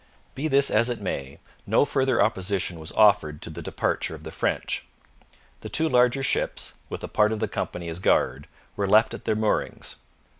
Be this as it may, no further opposition was offered to the departure of the French. The two larger ships, with a part of the company as guard, were left at their moorings.